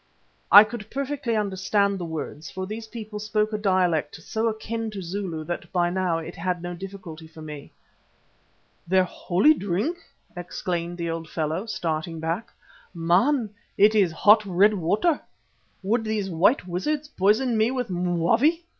I could perfectly understand the words, for these people spoke a dialect so akin to Zulu that by now it had no difficulty for me. "Their holy drink!" exclaimed the old fellow, starting back. "Man, it is hot red water. Would these white wizards poison me with mwavi?"